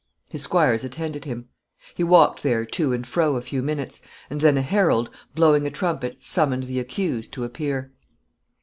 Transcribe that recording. His squires attended him. He walked there to and fro a few minutes, and then a herald, blowing a trumpet, summoned the accused to appear.